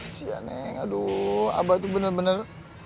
sia neng aduh abah tuh bener bener